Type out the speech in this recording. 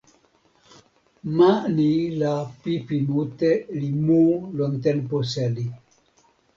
ma ni la pipi mute li mu lon tenpo seli.